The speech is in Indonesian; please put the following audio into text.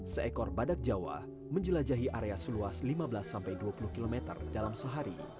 seekor badak jawa menjelajahi area seluas lima belas dua puluh km dalam sehari